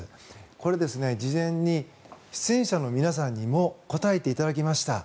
これ、事前に出演者の皆さんにも答えていただきました。